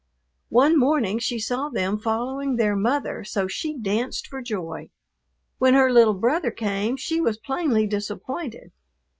One morning she saw them following their mother, so she danced for joy. When her little brother came she was plainly disappointed.